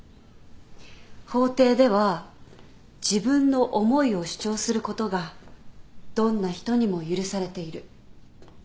法廷では自分の思いを主張することがどんな人にも許されている